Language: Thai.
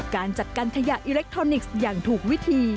การจัดการขยะอิเล็กทรอนิกส์อย่างถูกวิธี